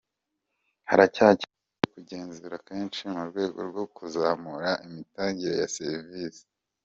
Haracyakenewe kugenzura kenshi mu rwego rwo kuzamura imitangire ya serivisi.